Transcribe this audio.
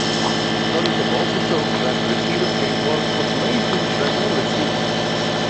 Studies have also shown that receivers gain more copulations than non-receivers.